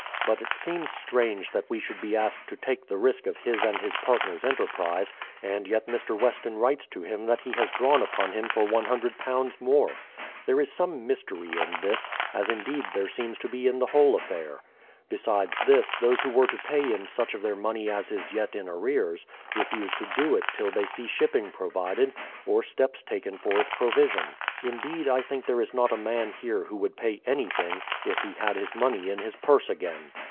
But it seems strange that we should be asked to take the risk of his and his partners' enterprise, — and yet Mr. Weston writes to him that he has drawn upon him for £ioo more. There is some mystery in this, as indeed there seems to be in the whole affair. Besides this, those who were to pay in such of their money as is j'et in arrears, refuse to do it till they see shipping provided, or steps taken for its provision. Indeed, I think there is not a man here who would pay anything, if he had his money in his purse again.